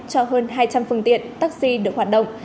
cho hơn hai trăm linh phương tiện taxi được hoạt động